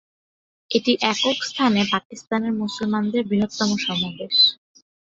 এটি একক স্থানে পাকিস্তানের মুসলমানদের বৃহত্তম সমাবেশ।